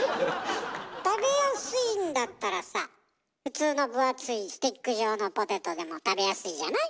食べやすいんだったらさ普通の分厚いスティック状のポテトでも食べやすいじゃない？